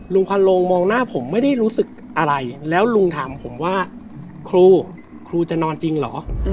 พันโลงมองหน้าผมไม่ได้รู้สึกอะไรแล้วลุงถามผมว่าครูครูจะนอนจริงเหรอ